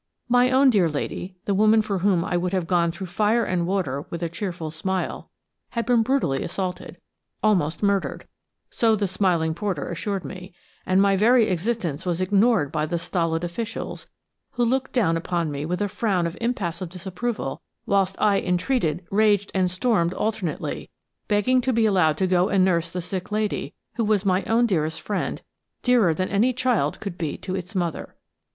My own dear lady, the woman for whom I would have gone through fire and water with a cheerful smile, had been brutally assaulted, almost murdered, so the smiling porter assured me, and my very existence was ignored by the stolid officials, who looked down upon me with a frown of impassive disapproval whilst I entreated, raged and stormed alternately, begging to be allowed to go and nurse the sick lady, who was my own dearest friend, dearer than any child could be to its mother.